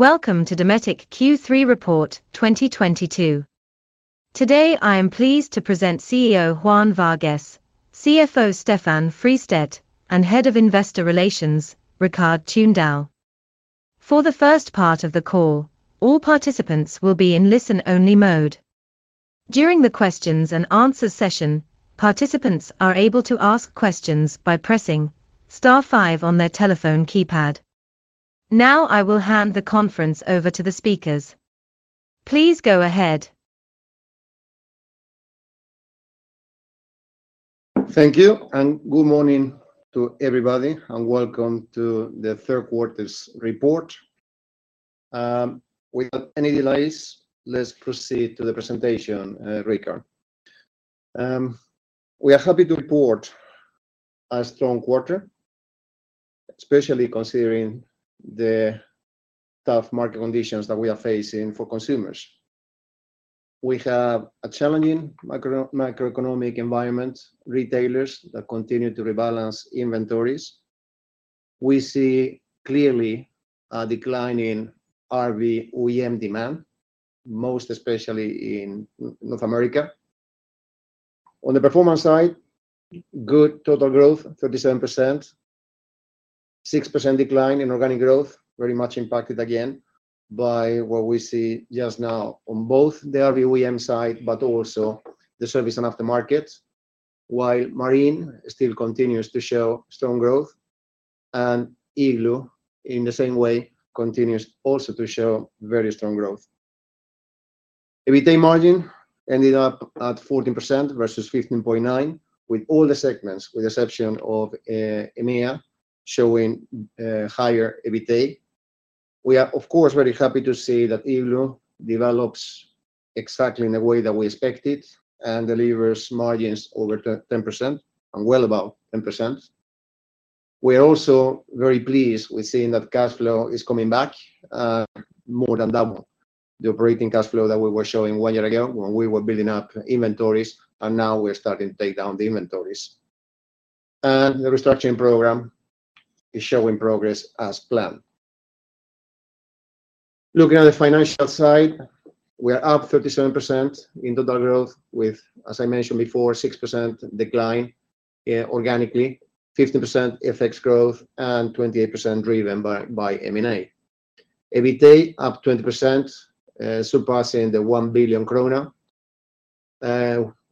Welcome to Dometic Q3 Report 2022. Today, I am pleased to present CEO Juan Vargues, CFO Stefan Fristedt, and Head of Investor Relations, Rikard Tunedal. For the first part of the call, all participants will be in listen-only mode. During the questions and answers session, participants are able to ask questions by pressing star five on their telephone keypad. Now I will hand the conference over to the speakers. Please go ahead. Thank you, and good morning to everybody, and welcome to the third quarter's report. Without any delays, let's proceed to the presentation, Rikard. We are happy to report a strong quarter, especially considering the tough market conditions that we are facing for consumers. We have a challenging macroeconomic environment, retailers that continue to rebalance inventories. We see clearly a decline in RVOEM demand, most especially in North America. On the performance side, good total growth, 37%. 6% decline in organic growth, very much impacted again by what we see just now on both the RVOEM side, but also the Service & Aftermarket. While Marine still continues to show strong growth, and Igloo, in the same way, continues also to show very strong growth. EBITA margin ended up at 14% versus 15.9%, with all the segments, with the exception of EMEA showing higher EBITA. We are, of course, very happy to see that Igloo develops exactly in the way that we expect it and delivers margins over 10% and well above 10%. We are also very pleased with seeing that cash flow is coming back, more than double the operating cash flow that we were showing one year ago when we were building up inventories, and now we're starting to take down the inventories. The restructuring program is showing progress as planned. Looking at the financial side, we are up 37% in total growth with, as I mentioned before, 6% decline organically, 15% FX growth, and 28% driven by M&A. EBITA up 20%, surpassing 1 billion krona,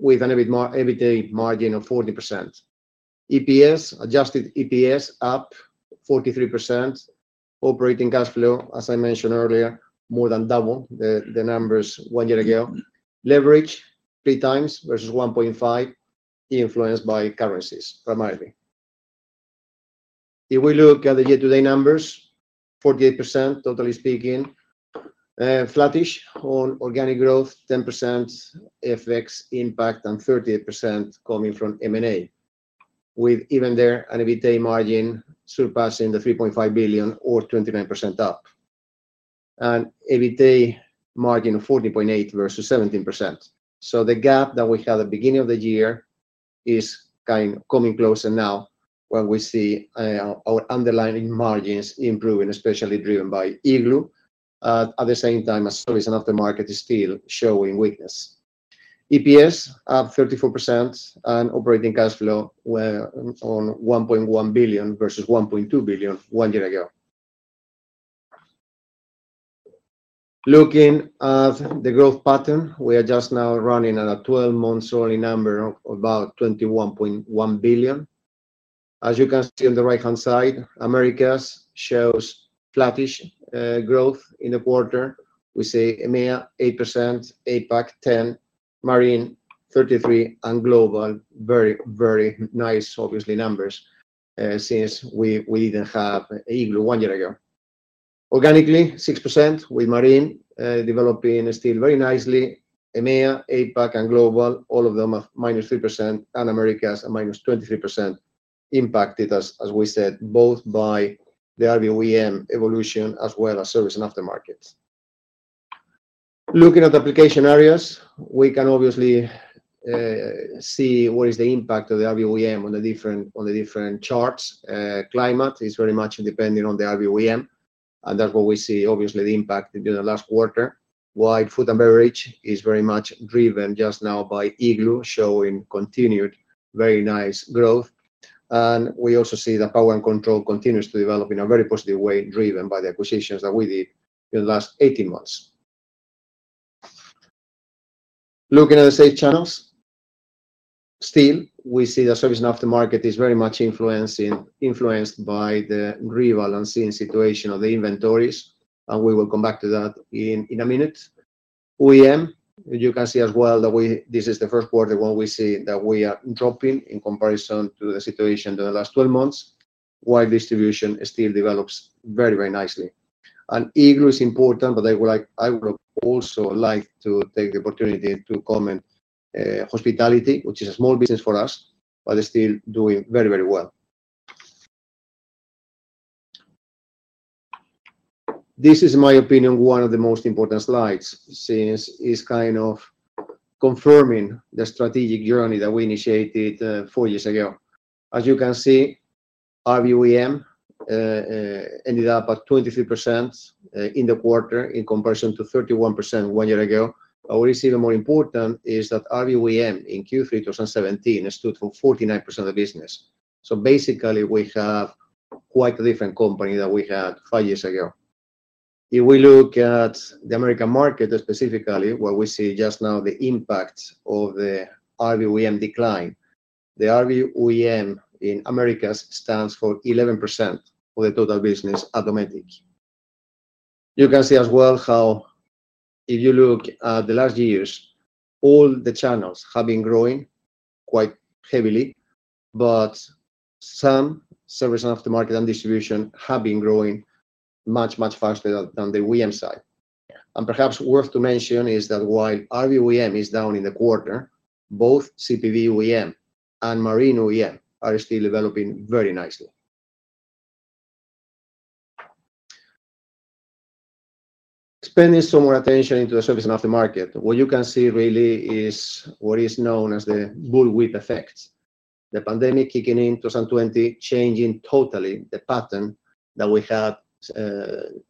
with an EBITA margin of 14%. EPS, adjusted EPS up 43%. Operating cash flow, as I mentioned earlier, more than double the numbers one year ago. Leverage 3x versus 1.5x, influenced by currencies, primarily. If we look at the year-to-date numbers, 48% totally speaking. Flattish on organic growth, 10% FX impact, and 38% coming from M&A, with even their EBITA margin surpassing 3.5 billion or 29% up. EBITA margin of 14.8% versus 17%. The gap that we had at the beginning of the year is coming closer now when we see our underlying margins improving, especially driven by Igloo. At the same time, our Service & Aftermarket is still showing weakness. EPS up 34% and operating cash flow. We're on 1.1 billion versus 1.2 billion one year ago. Looking at the growth pattern, we are just now running at a 12-month rolling number of about 21.1 billion. As you can see on the right-hand side, Americas shows flattish growth in the quarter. We see EMEA 8%, APAC 10%, Marine 33%, and Global very, very nice, obviously, numbers since we didn't have Igloo one year ago. Organically, 6% with Marine developing still very nicely. EMEA, APAC, and Global, all of them have -3%, and Americas are -23% impacted as we said, both by the RVOEM evolution as well as Service & Aftermarket . Looking at application areas, we can obviously see what is the impact of the RVOEM on the different charts. Climate is very much dependent on the RVOEM, and that's what we see, obviously, the impact during the last quarter. While food and beverage is very much driven just now by Igloo, showing continued very nice growth. We also see that power and control continues to develop in a very positive way, driven by the acquisitions that we did in the last 18 months. Looking at the sales channels, still we see the Service & Aftermarket is very much influenced by the rebalancing situation of the inventories, and we will come back to that in a minute. OEM, you can see as well that we... This is the first quarter when we see that we are dropping in comparison to the situation in the last 12 months, while distribution still develops very, very nicely. Igloo is important, but I would also like to take the opportunity to comment, hospitality, which is a small business for us, but they're still doing very, very well. This is, in my opinion, one of the most important slides since it's kind of confirming the strategic journey that we initiated, four years ago. As you can see, RVOEM ended up at 23%, in the quarter in comparison to 31% one year ago. What is even more important is that RVOEM in Q3 2017 stood for 49% of the business. Basically we have quite a different company than we had five years ago. If we look at the American market specifically, what we see just now the impact of the RVOEM decline. The RVOEM in Americas stands for 11% of the total business Automotive. You can see as well how if you look at the last years, all the channels have been growing quite heavily, but some service aftermarket and distribution have been growing much faster than the OEM side. Perhaps worth to mention is that while RVOEM is down in the quarter, both CPV OEM and Marine OEM are still developing very nicely. Expanding some more attention into the service aftermarket, what you can see really is what is known as the bullwhip effect. The pandemic kicking in 2020 changing totally the pattern that we had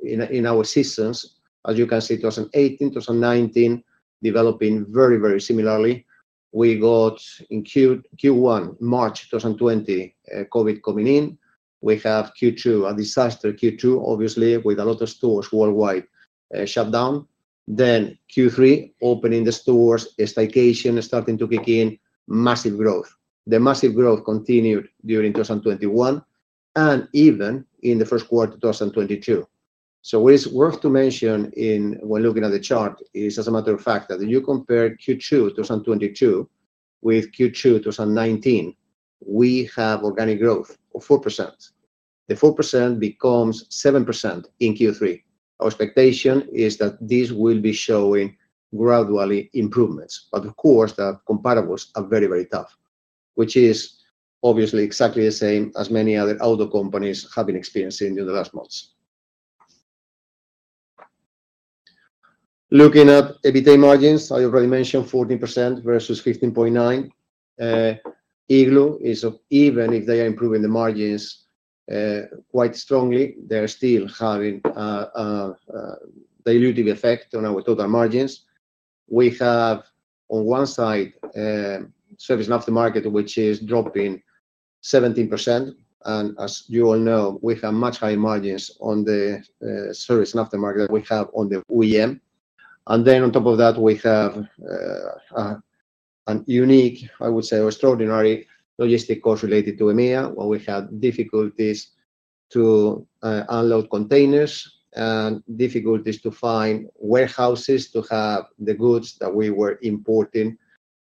in our systems. As you can see, 2018, 2019 developing very, very similarly. We got in Q1 March 2020, COVID coming in. We have Q2, a disaster Q2 obviously with a lot of stores worldwide, shut down. Then Q3, opening the stores, staycation starting to kick in, massive growth. The massive growth continued during 2021 and even in the first quarter 2022. What is worth to mention when looking at the chart is as a matter of fact that you compare Q2 2022 with Q2 2019, we have organic growth of 4%. The 4% becomes 7% in Q3. Our expectation is that this will be showing gradual improvements, but of course, the comparables are very, very tough, which is obviously exactly the same as many other auto companies have been experiencing in the last months. Looking at EBITDA margins, I already mentioned 14% versus 15.9%. Igloo is, even if they are improving the margins quite strongly, they're still having a dilutive effect on our total margins. We have on one side, Service & Aftermarket, which is dropping 17% and as you all know, we have much higher margins on the Service & Aftermarket we have on the OEM. On top of that, we have a unique, I would say, extraordinary logistics cost related to EMEA, where we have difficulties to unload containers and difficulties to find warehouses to have the goods that we were importing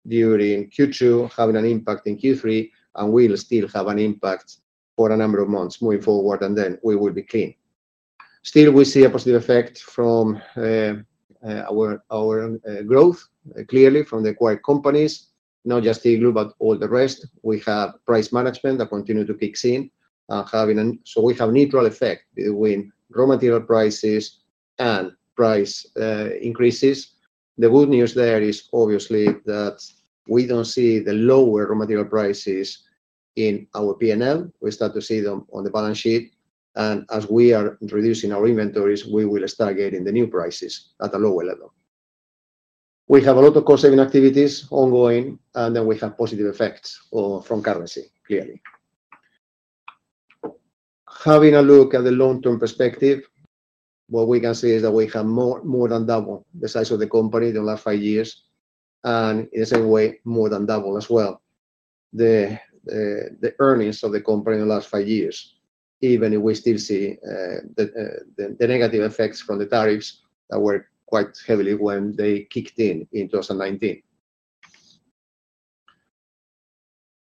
during Q2, having an impact in Q3 and will still have an impact for a number of months moving forward, and then we will be clean. Still we see a positive effect from our growth, clearly from the acquired companies, not just Igloo, but all the rest. We have price management that continue to kicks in. We have neutral effect between raw material prices and price increases. The good news there is obviously that we don't see the lower raw material prices in our P&L. We start to see them on the balance sheet, and as we are reducing our inventories, we will start getting the new prices at a lower level. We have a lot of cost-saving activities ongoing, and then we have positive effects from currency, clearly. Having a look at the long-term perspective, what we can see is that we have more than double the size of the company in the last five years, and in the same way, more than double as well. The earnings of the company in the last five years, even if we still see the negative effects from the tariffs that were quite heavily when they kicked in in 2019.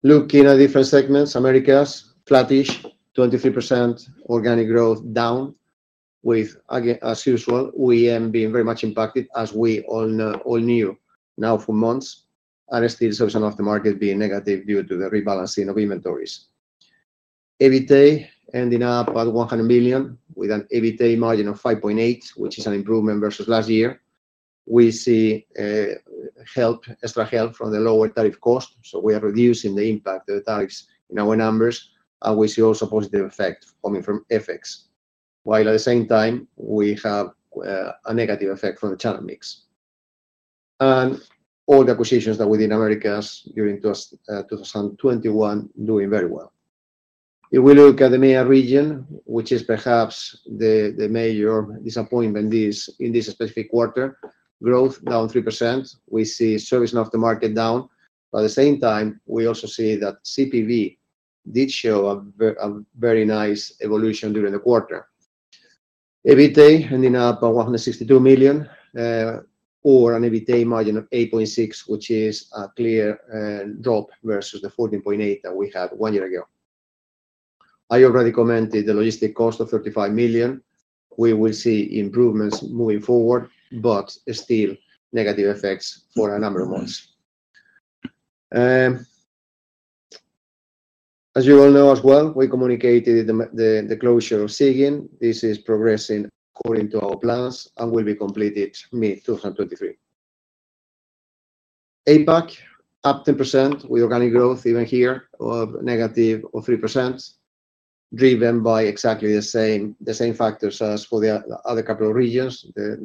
Looking at different segments, Americas flattish, 23% organic growth down with again, as usual, OEM being very much impacted as we all know now for months, and still service after market being negative due to the rebalancing of inventories. EBITDA ending up at 100 million with an EBITDA margin of 5.8%, which is an improvement versus last year. We see extra help from the lower tariff cost, so we are reducing the impact of the tariffs in our numbers, and we see also positive effect coming from FX. While at the same time we have a negative effect from the channel mix. All the acquisitions that within Americas during 2021 doing very well. If we look at the EMEA region, which is perhaps the major disappointment this, in this specific quarter, growth down 3%. We see Service & Aftermarket down, but at the same time we also see that CPV did show a very nice evolution during the quarter. EBITDA ending up at 162 million, or an EBITDA margin of 8.6%, which is a clear drop versus the 14.8% that we had one year ago. I already commented the logistic cost of 35 million. We will see improvements moving forward, but still negative effects for a number of months. As you all know as well, we communicated the closure of Siegen. This is progressing according to our plans and will be completed mid 2023. APAC, up 10% with organic growth even here of -3%, driven by exactly the same factors as for the other couple of regions, the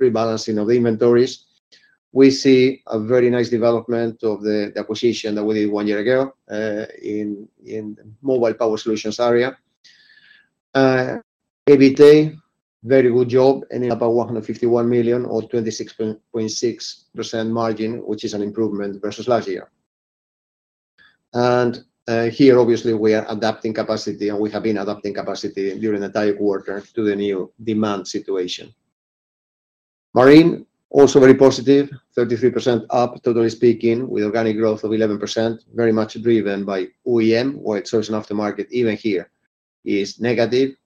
rebalancing of inventories. We see a very nice development of the acquisition that we did one year ago, in Mobile Power Solutions area. EBITA, very good job, ending up at 151 million or 26.6% margin, which is an improvement versus last year. Here obviously we are adapting capacity, and we have been adapting capacity during the entire quarter to the new demand situation. Marine, also very positive, 33% up totally speaking with organic growth of 11%, very much driven by OEM or Service & Aftermarket even here is negative.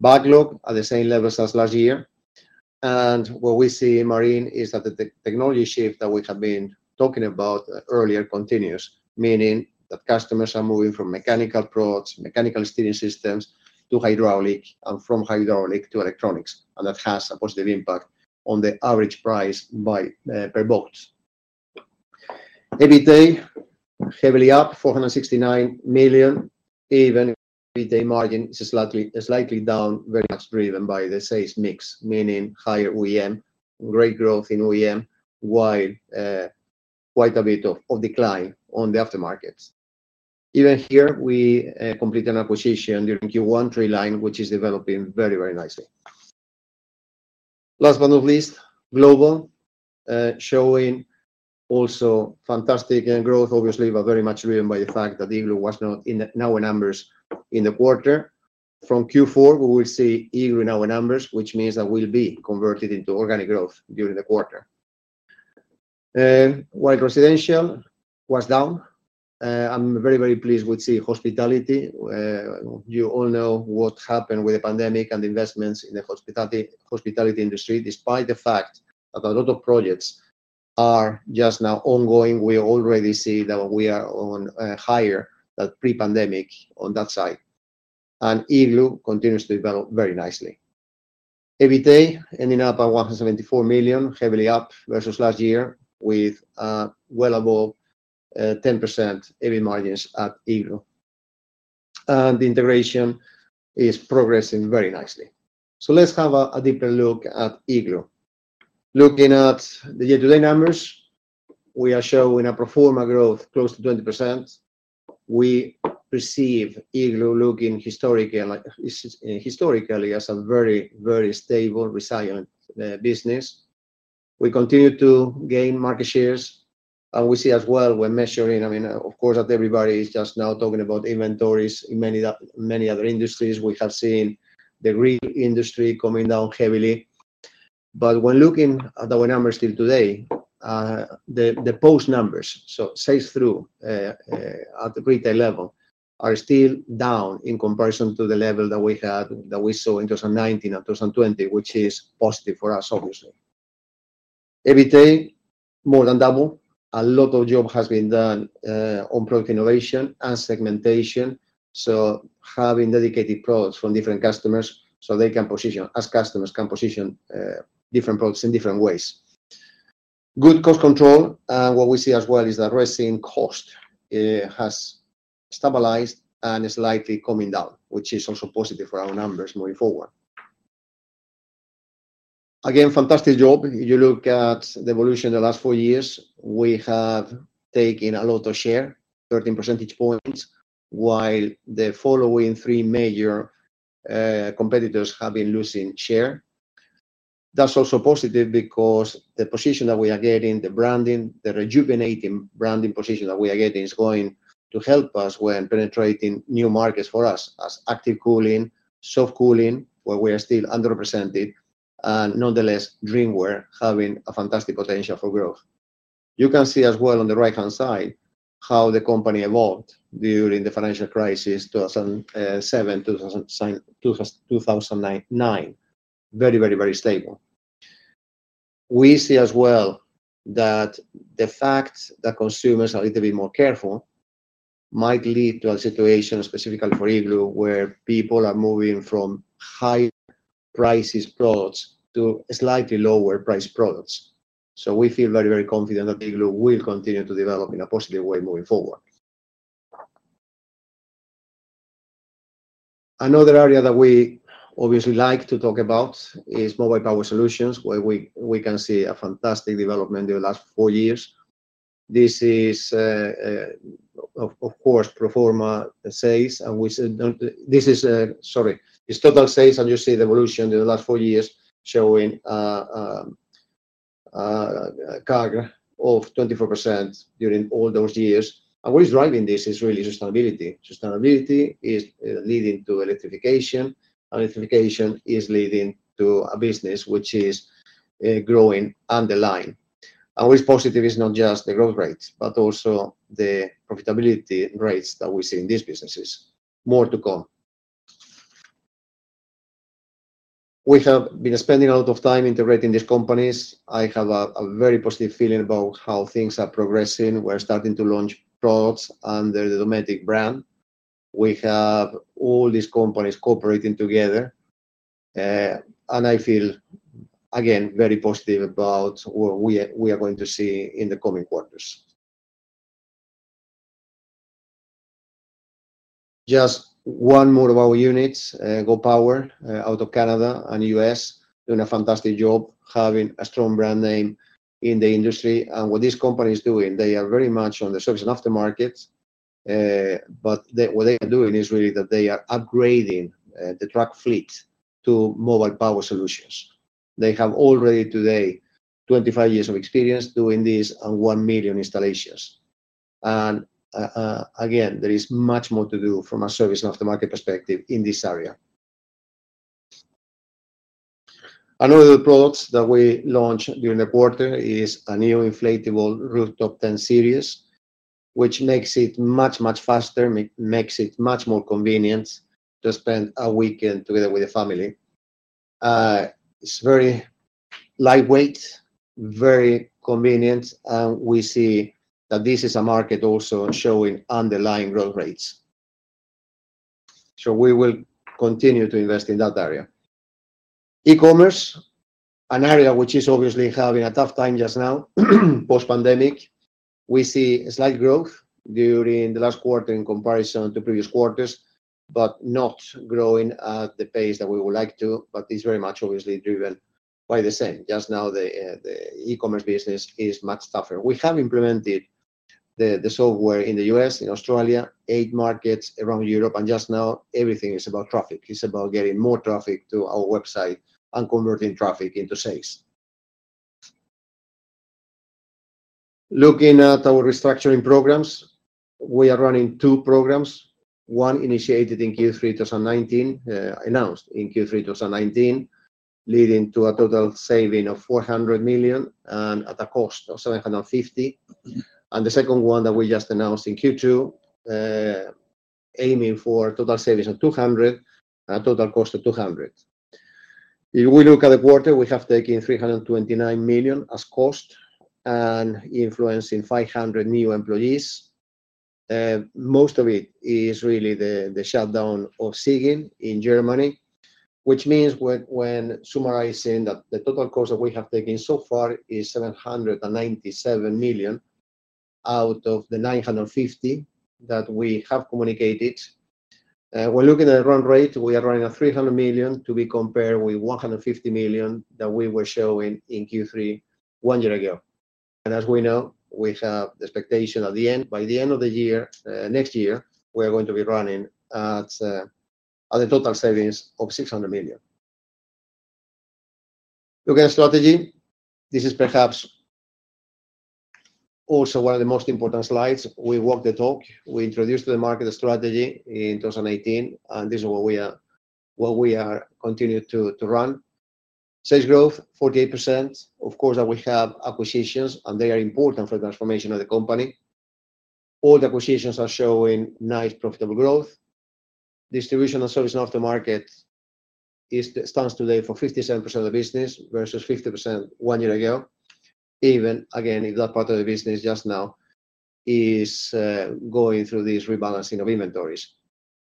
Backlog at the same levels as last year. What we see in Marine is that the technology shift that we have been talking about earlier continues, meaning that customers are moving from mechanical products, mechanical steering systems to hydraulic and from hydraulic to electronics. That has a positive impact on the average price per boat. EBITA heavily up, 469 million, even EBITA margin is slightly down, very much driven by the sales mix, meaning higher OEM, great growth in OEM, while quite a bit of decline on the aftermarkets. Even here we completed an acquisition during Q1, Treeline, which is developing very, very nicely. Last but not least, Global showing also fantastic net growth, obviously, but very much driven by the fact that Igloo was not in our numbers in the quarter. From Q4, we will see Igloo in our numbers, which means that we'll be converted into organic growth during the quarter. While residential was down, I'm very, very pleased with the hospitality. You all know what happened with the pandemic and the investments in the hospitality industry. Despite the fact that a lot of projects are just now ongoing, we already see that we are on higher than pre-pandemic on that side. Igloo continues to develop very nicely. EBITA ending up at 174 million, heavily up versus last year with well above 10% EBIT margins at Igloo. The integration is progressing very nicely. Let's have a deeper look at Igloo. Looking at the year-to-date numbers, we are showing a Pro Forma Growth close to 20%. We perceive Igloo looking historically like historically as a very, very stable, resilient business. We continue to gain market shares, and we see as well we're measuring. I mean, of course that everybody is just now talking about inventories in many other industries. We have seen the rig industry coming down heavily. When looking at our numbers till today, the POS numbers, so sales at the retail level, are still down in comparison to the level that we saw in 2019 and 2020, which is positive for us, obviously. EBITA, more than double. A lot of job has been done on product innovation and segmentation, so having dedicated products for different customers so our customers can position different products in different ways. Good cost control, what we see as well SG&A cost has stabilized and is slightly coming down, which is also positive for our numbers moving forward. Again, fantastic job. You look at the evolution in the last four years. We have taken a lot of share, 13 percentage points, while the following three major competitors have been losing share. That's also positive because the position that we are getting, the branding, the rejuvenating branding position that we are getting is going to help us when penetrating new markets for us as Active Cooling, Soft Cooling, where we are still underrepresented, and nonetheless drinkware having a fantastic potential for growth. You can see as well on the right-hand side how the company evolved during the financial crisis, 2007-2009. Very stable. We see as well that the fact that consumers are a little bit more careful might lead to a situation specifically for Igloo, where people are moving from higher-priced products to slightly lower-priced products. We feel very, very confident that Igloo will continue to develop in a positive way moving forward. Another area that we obviously like to talk about is mobile power solutions, where we can see a fantastic development in the last four years. It's total sales, and you see the evolution in the last four years showing a CAGR of 24% during all those years. What is driving this is really sustainability. Sustainability is leading to electrification, and electrification is leading to a business which is growing underlying. Always positive is not just the growth rates, but also the profitability rates that we see in these businesses. More to come. We have been spending a lot of time integrating these companies. I have a very positive feeling about how things are progressing. We're starting to launch products under the Dometic brand. We have all these companies cooperating together. I feel, again, very positive about what we are going to see in the coming quarters. Just one more of our units, Go Power!, out of Canada and U.S., doing a fantastic job having a strong brand name in the industry. What this company is doing, they are very much on the Service & Aftermarket, but what they are doing is really that they are upgrading the truck fleet to mobile power solutions. They have already today 25 years of experience doing this and 1 million installations. Again, there is much more to do from a Service & Aftermarket perspective in this area. Another products that we launched during the quarter is a new inflatable rooftop tent series, which makes it much, much faster, makes it much more convenient to spend a weekend together with the family. It's very lightweight, very convenient, and we see that this is a market also showing underlying growth rates. We will continue to invest in that area. E-commerce, an area which is obviously having a tough time just now, post-pandemic. We see a slight growth during the last quarter in comparison to previous quarters, but not growing at the pace that we would like to. It's very much obviously driven by the same. Just now the e-commerce business is much tougher. We have implemented the software in the U.S., in Australia, eight markets around Europe, and just now everything is about traffic. It's about getting more traffic to our website and converting traffic into sales. Looking at our restructuring programs, we are running two programs. One initiated in Q3 2019, announced in Q3 2019, leading to a total saving of 400 million and at a cost of 750 million. The second one that we just announced in Q2, aiming for total savings of 200 million and a total cost of 200 million. If we look at the quarter, we have taken 329 million as cost and influencing 500 new employees. Most of it is really the shutdown of Siegen in Germany, which means when summarizing the total cost that we have taken so far is 797 million out of the 950 million that we have communicated. When looking at run rate, we are running at 300 million to be compared with 150 million that we were showing in Q3 one year ago. As we know, we have the expectation at the end, by the end of the year, next year, we are going to be running at a total savings of 600 million. Looking at strategy, this is perhaps also one of the most important slides. We walk the talk. We introduced to the market the strategy in 2018, and this is what we are continuing to run. Sales growth, 48%. Of course, that we have acquisitions, and they are important for the transformation of the company. All the acquisitions are showing nice profitable growth. Distribution and service aftermarket stands today for 57% of the business versus 50% one year ago. Even, again, in that part of the business just now is going through this rebalancing of inventories.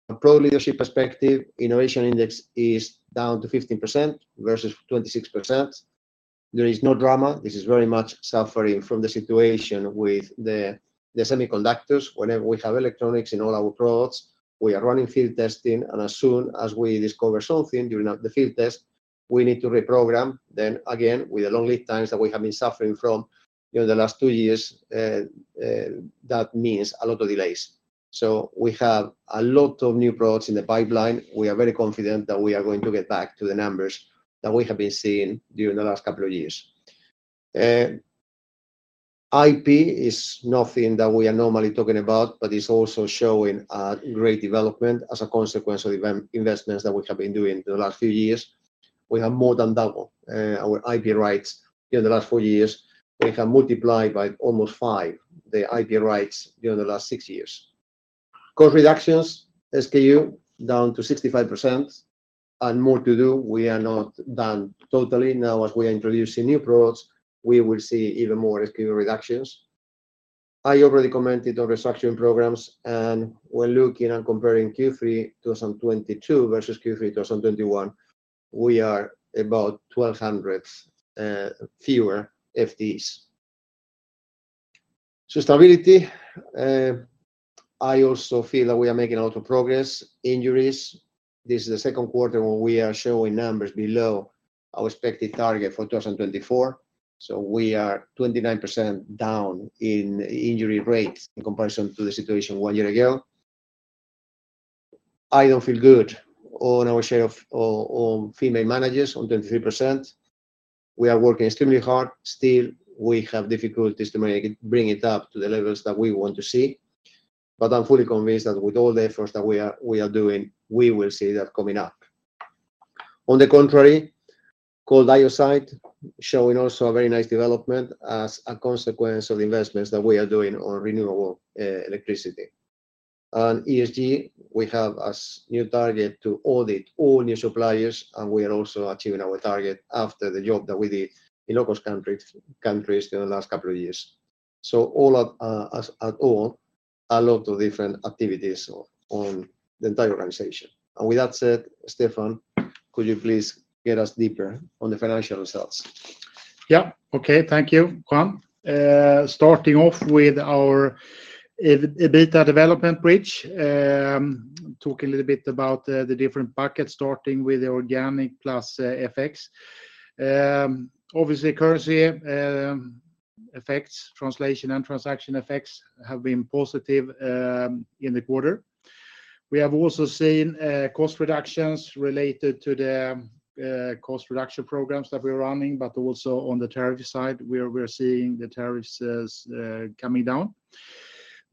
From product leadership perspective, Innovation Index is down to 15% versus 26%. There is no drama. This is very much suffering from the situation with the semiconductors. Whenever we have electronics in all our products, we are running field testing, and as soon as we discover something during the field test, we need to reprogram. Then again, with the long lead times that we have been suffering from during the last two years, that means a lot of delays. We have a lot of new products in the pipeline. We are very confident that we are going to get back to the numbers that we have been seeing during the last couple of years. IP is nothing that we are normally talking about, but it's also showing a great development as a consequence of investments that we have been doing the last few years. We have more than doubled our IP rights during the last four years. We have multiplied by almost five the IP rights during the last six years. Cost reductions, SKU down to 65% and more to do. We are not done totally. Now, as we are introducing new products, we will see even more SKU reductions. I already commented on restructuring programs, and we're looking and comparing Q3 2022 versus Q3 2021. We are about 1,200 fewer FTEs. Sustainability, I also feel that we are making a lot of progress. Injuries, this is the second quarter where we are showing numbers below our expected target for 2024. We are 29% down in injury rates in comparison to the situation one year ago. I don't feel good on our share of female managers on 23%. We are working extremely hard. Still, we have difficulties to bring it up to the levels that we want to see. I'm fully convinced that with all the efforts that we are doing, we will see that coming up. On the contrary, cooling is showing also a very nice development as a consequence of investments that we are doing on renewable electricity. ESG, we have a new target to audit all new suppliers, and we are also achieving our target after the job that we did in low-cost countries in the last couple of years. All in all, a lot of different activities on the entire organization. With that said, Stefan, could you please get us deeper on the financial results? Yeah. Okay. Thank you, Juan. Starting off with our EBITDA development bridge, talk a little bit about the different buckets, starting with the organic plus FX. Obviously currency effects, translation and transaction effects have been positive in the quarter. We have also seen cost reductions related to the cost reduction programs that we're running, but also on the tariff side, where we're seeing the tariffs as coming down.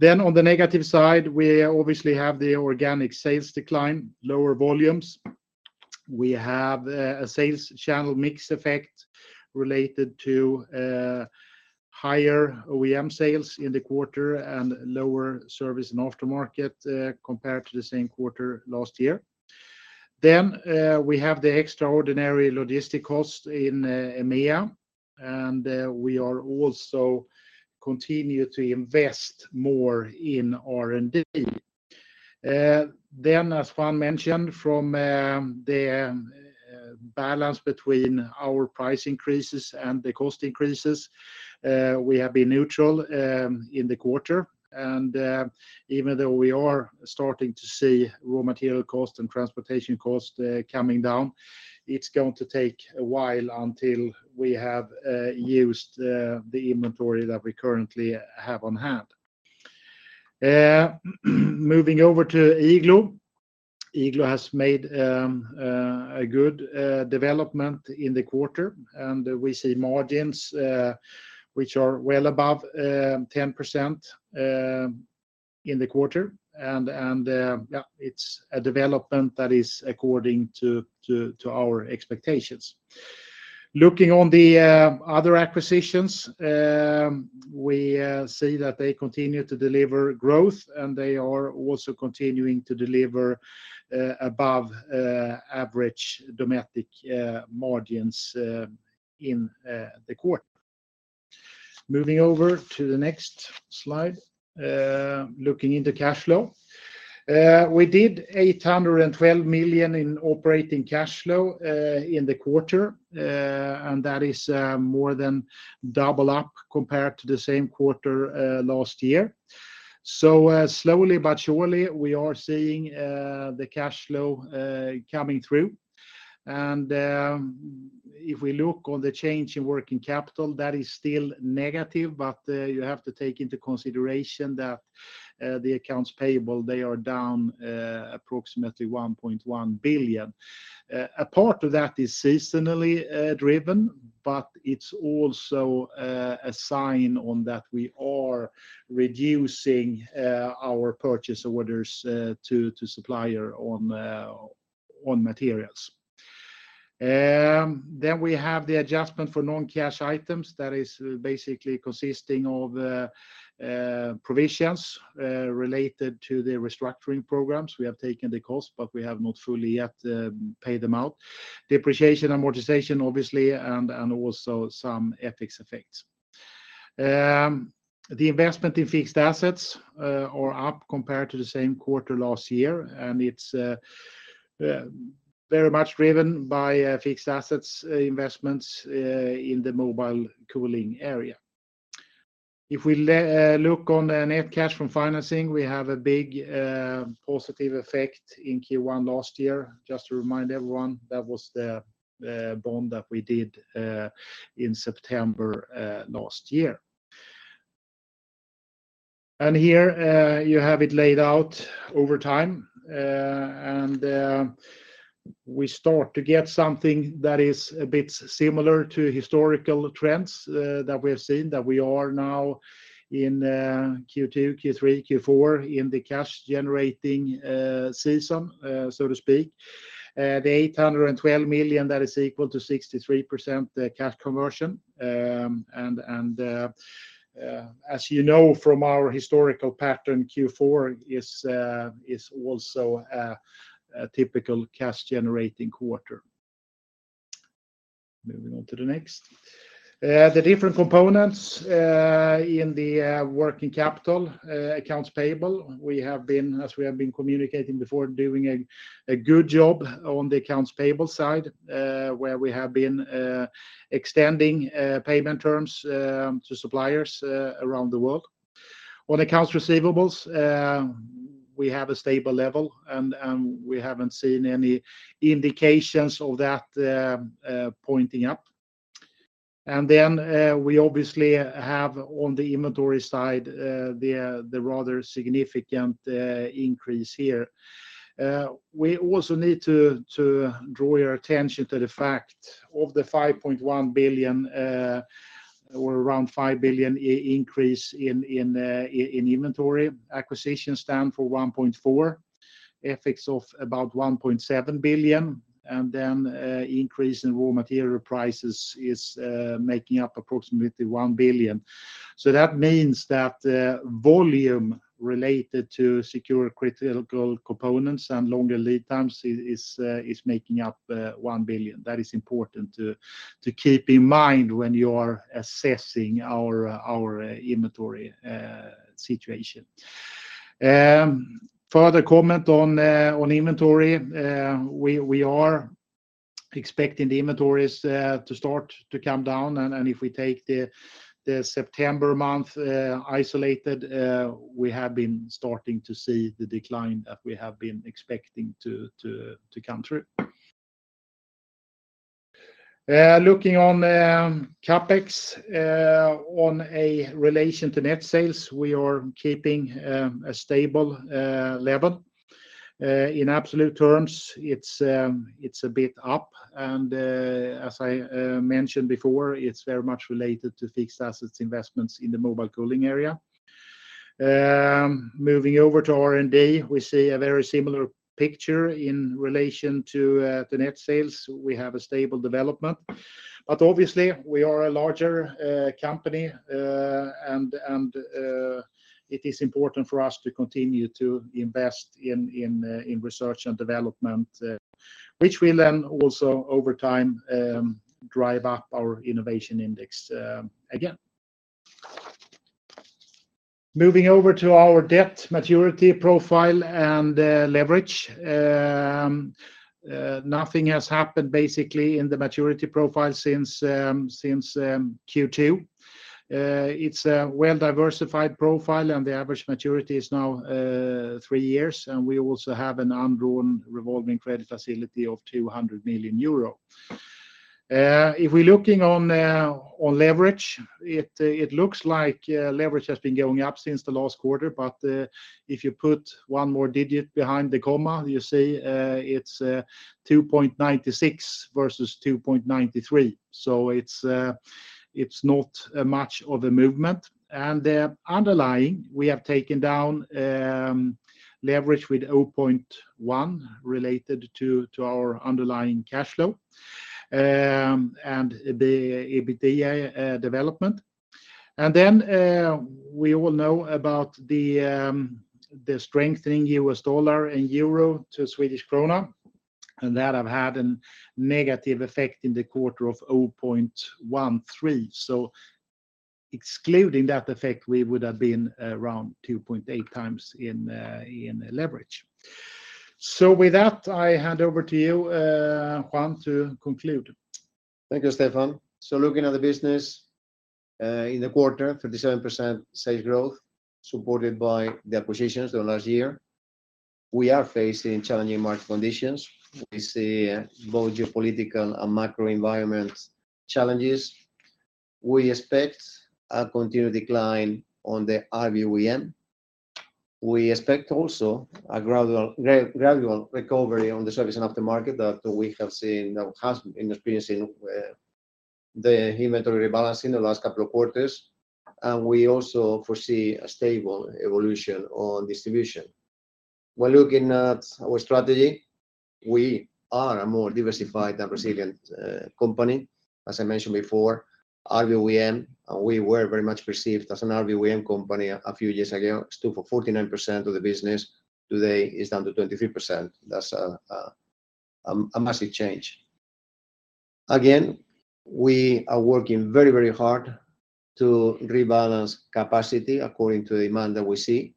On the negative side, we obviously have the organic sales decline, lower volumes. We have a sales channel mix effect related to higher OEM sales in the quarter and lower Service & Aftermarket compared to the same quarter last year. We have the extraordinary logistics costs in EMEA, and we are also continue to invest more in R&D. As Juan mentioned, from the balance between our price increases and the cost increases, we have been neutral in the quarter. Even though we are starting to see raw material cost and transportation cost coming down, it's going to take a while until we have used the inventory that we currently have on hand. Moving over to Igloo. Igloo has made a good development in the quarter, and we see margins which are well above 10% in the quarter. It's a development that is according to our expectations. Looking on the other acquisitions, we see that they continue to deliver growth, and they are also continuing to deliver above average Dometic margins in the quarter. Moving over to the next slide, looking into cash flow. We did 812 million in operating cash flow in the quarter, and that is more than double up compared to the same quarter last year. Slowly but surely, we are seeing the cash flow coming through. If we look at the change in working capital, that is still negative, but you have to take into consideration that the accounts payable they are down approximately 1.1 billion. A part of that is seasonally driven, but it's also a sign that we are reducing our purchase orders to supplier on materials. We have the adjustment for non-cash items that is basically consisting of provisions related to the restructuring programs. We have taken the cost, but we have not fully yet paid them out. Depreciation, amortization, obviously, and also some FX effects. The investment in fixed assets are up compared to the same quarter last year, and it's very much driven by fixed assets investments in the Mobile Cooling area. If we look on the net cash from financing, we have a big positive effect in Q1 last year. Just to remind everyone, that was the bond that we did in September last year. Here, you have it laid out over time. We start to get something that is a bit similar to historical trends that we have seen, that we are now in Q2, Q3, Q4 in the cash generating season, so to speak. The 812 million that is equal to 63% the cash conversion. As you know from our historical pattern, Q4 is also a typical cash generating quarter. Moving on to the next. The different components in the working capital accounts payable, we have been, as we have been communicating before, doing a good job on the accounts payable side, where we have been extending payment terms to suppliers around the world. On accounts receivables, we have a stable level and we haven't seen any indications of that pointing up. We obviously have on the inventory side the rather significant increase here. We also need to draw your attention to the fact of the 5.1 billion, or around 5 billion increase in inventory. Acquisitions account for 1.4 billion. FX effects of about 1.7 billion and then increase in raw material prices is making up approximately 1 billion. That means that the volume related to securing critical components and longer lead times is making up 1 billion. That is important to keep in mind when you are assessing our inventory situation. Further comment on inventory. We are expecting the inventories to start to come down and if we take the September month isolated we have been starting to see the decline that we have been expecting to come through. Looking at CapEx in relation to net sales, we are keeping a stable level. In absolute terms it's a bit up and as I mentioned before it's very much related to fixed assets investments in the Mobile Cooling area. Moving over to R&D, we see a very similar picture in relation to net sales. We have a stable development. Obviously we are a larger company. It is important for us to continue to invest in research and development, which will then also over time drive up our Innovation Index again. Moving over to our debt maturity profile and leverage. Nothing has happened basically in the maturity profile since Q2. It's a well-diversified profile, and the average maturity is now three years. We also have an undrawn revolving credit facility of 200 million euro. If we're looking on leverage, it looks like leverage has been going up since the last quarter, but if you put one more digit behind the comma, you see it's 2.96% versus 2.93%. It's not much of a movement. The underlying, we have taken down leverage with 0.1x related to our underlying cash flow and the EBITDA development. We all know about the strengthening US dollar and EURO to Swedish krona, and that have had a negative effect in the quarter of 0.13x. Excluding that effect, we would have been around 2.8x in leverage. With that, I hand over to you, Juan, to conclude. Thank you, Stefan. Looking at the business in the quarter, 37% sales growth supported by the acquisitions of last year. We are facing challenging market conditions. We see both geopolitical and macro environment challenges. We expect a continued decline on the RVOEM. We expect also a gradual recovery on the Service & Aftermarket that we have seen or has been experiencing the inventory rebalance in the last couple of quarters. We also foresee a stable evolution on distribution. While looking at our strategy, we are a more diversified and resilient company. As I mentioned before, RVOEM, and we were very much perceived as an RVOEM company a few years ago, stood for 49% of the business. Today, it's down to 23%. That's a massive change. Again, we are working very, very hard to rebalance capacity according to the demand that we see.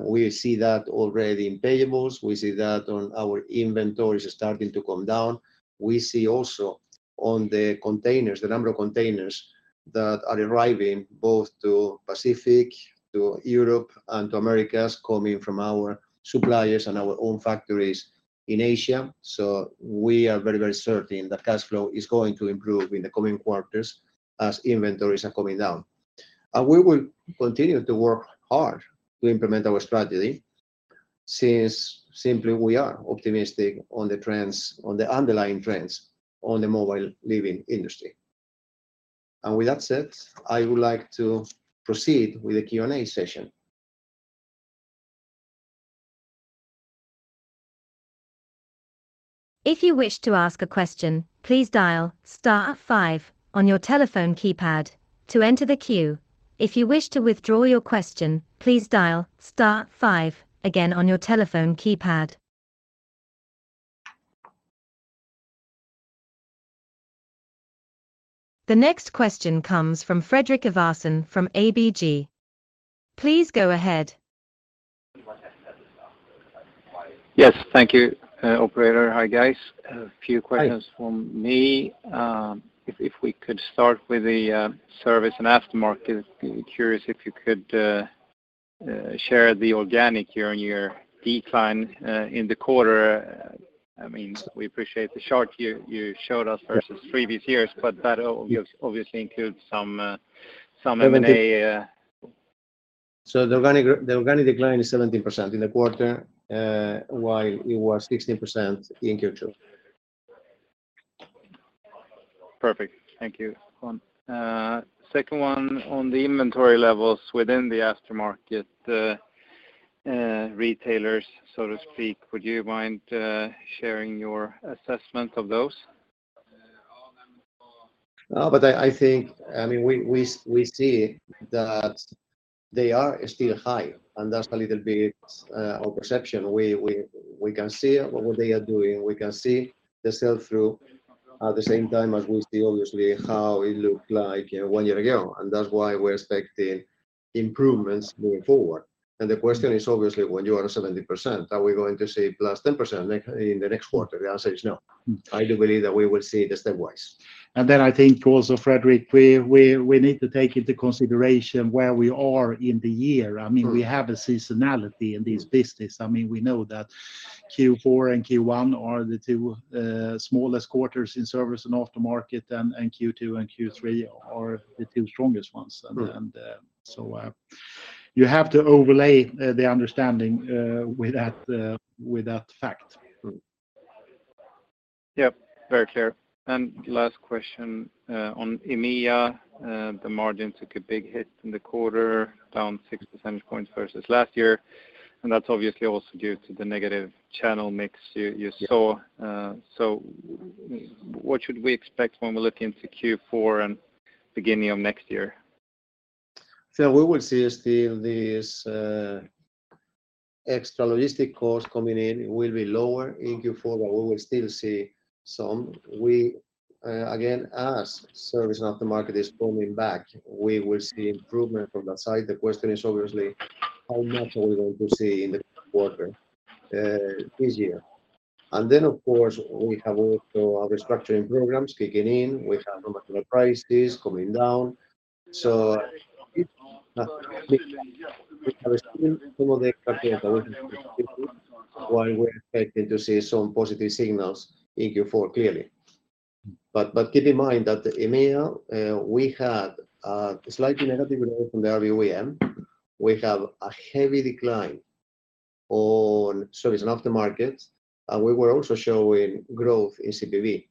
We see that already in payables. We see that on our inventories starting to come down. We see also on the containers, the number of containers that are arriving both to Pacific, to Europe, and to Americas coming from our suppliers and our own factories in Asia. We are very, very certain that cash flow is going to improve in the coming quarters as inventories are coming down. We will continue to work hard to implement our strategy since simply we are optimistic on the trends, on the underlying trends on the mobile living industry. With that said, I would like to proceed with the Q&A session. If you wish to ask a question, please dial star five on your telephone keypad to enter the queue. If you wish to withdraw your question, please dial star five again on your telephone keypad. The next question comes from Fredrik Ivarsson from ABG. Please go ahead. Yes, thank you, operator. Hi, guys. A few questions from me. If we could start with the Service & Aftermarket. Curious if you could share the organic year-on-year decline in the quarter. I mean, we appreciate the chart you showed us versus previous years, but that obviously includes some M&A. 17%. The organic decline is 17% in the quarter, while it was 16% in Q2. Perfect. Thank you, Juan. Second one on the inventory levels within the aftermarket, retailers, so to speak. Would you mind sharing your assessment of those? No, I think, I mean, we see that they are still high, and that's a little bit of perception. We can see what they are doing. We can see the sell-through at the same time as we see obviously how it looked like, you know, one year ago. That's why we're expecting improvements moving forward. The question is obviously when you are 70%, are we going to see +10% in the next quarter? The answer is no. Mm. I do believe that we will see it stepwise. I think also, Fredrik, we need to take into consideration where we are in the year. Mm. I mean, we have a seasonality in this business. I mean, we know that Q4 and Q1 are the two smallest quarters in Service & Aftermarket, and Q2 and Q3 are the two strongest ones. Mm. You have to overlay the understanding with that fact. Yep, very clear. Last question on EMEA. The margin took a big hit in the quarter, down 6 percentage points versus last year, and that's obviously also due to the negative channel mix you saw. Yeah. What should we expect when we look into Q4 and beginning of next year? We will see still this extra logistics cost coming in will be lower in Q4, but we will still see some. We again, as Service & Aftermarket is coming back, we will see improvement from that side. The question is obviously how much are we going to see in the quarter this year. Then of course, we have also our restructuring programs kicking in. We have raw material prices coming down. It. We have seen some of the expected Mm. While we're expecting to see some positive signals in Q4 clearly. Keep in mind that EMEA, we had a slightly negative growth from the OEM. We have a heavy decline on Service & Aftermarket. We were also showing growth in CPV.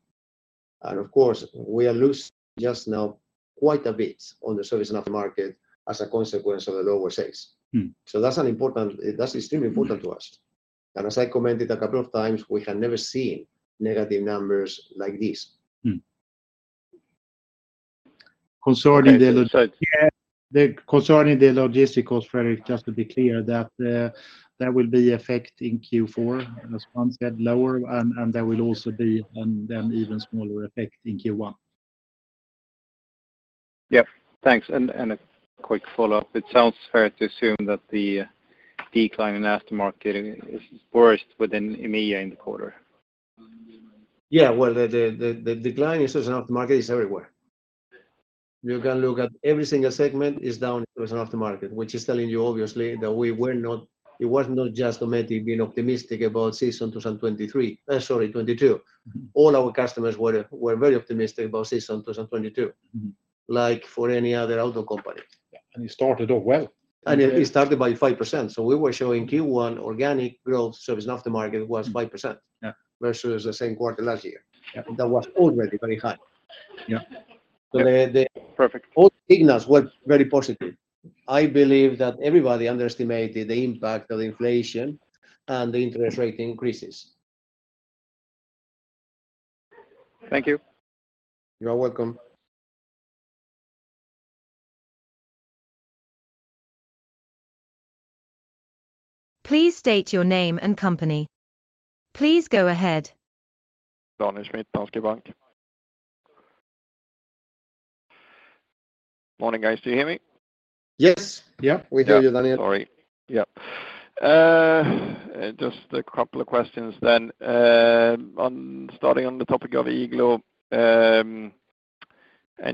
Of course, we are losing just now quite a bit on the Service & Aftermarket as a consequence of the lower sales. Mm. That's extremely important to us. As I commented a couple of times, we have never seen negative numbers like this. Mm. Concerning the lo- Okay. Concerning the logistics cost, Fredrik, just to be clear that there will be effect in Q4, as Juan said, lower, and there will also be and then even smaller effect in Q1. Yep. Thanks. A quick follow-up. It sounds fair to assume that the decline in aftermarket is worst within EMEA in the quarter. Well, the decline in Service & Aftermarket is everywhere. You can look at every single segment is down in Service & Aftermarket, which is telling you obviously that it was not just Automotive being optimistic about season 2023. Sorry, 2022. Mm-hmm. All our customers were very optimistic about season 2022. Mm-hmm. Like for any other auto company. Yeah. It started off well. It started by 5%. We were showing Q1 organic growth Service & Aftermarket was 5%. Yeah Versus the same quarter last year. Yeah. That was already very high. Yeah. So the- Perfect All signals were very positive. I believe that everybody underestimated the impact of inflation and the interest rate increases. Thank you. You are welcome. Please state your name and company. Please go ahead. Daniel Schmidt, Danske Bank. Morning, guys. Do you hear me? Yes. Yeah. We hear you, Daniel. Sorry. Yeah. Just a couple of questions then. Starting on the topic of Igloo, and